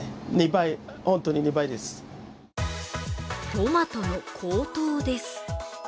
トマトの高騰です。